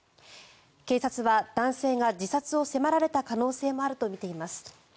警察は、男性が自殺を迫られた可能性もあるとみています。